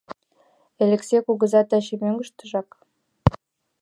Элексей кугызат таче мӧҥгыштыжак.